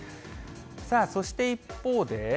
さあ、そして一方で。